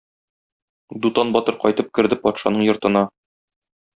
Дутан батыр кайтып керде патшаның йортына.